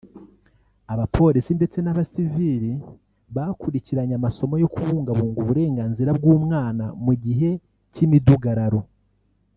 abapolisi ndetse n’abasivili bakurikiranye amasomo yo kubungabunga uburenganzira bw’umwana mu gihe cy’imidugararo